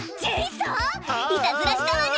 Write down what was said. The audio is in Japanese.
いたずらしたわね！